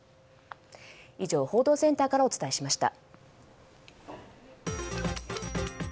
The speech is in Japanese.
以上、報道センターからお伝えしました。